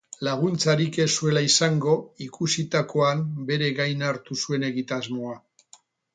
Laguntzarik ez zuela izango ikusitakoan bere gain hartu zuen egitasmoa.